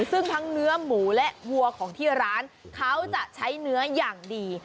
ซึ่งทั้งเนื้อหมูและวัวของที่ร้านเขาจะใช้เนื้ออย่างดี